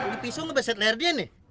di pisau ngebeset leher dia nih